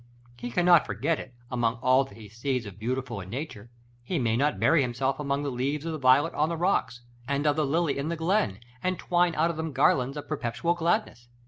He cannot forget it, among all that he sees of beautiful in nature; he may not bury himself among the leaves of the violet on the rocks, and of the lily in the glen, and twine out of them garlands of perpetual gladness.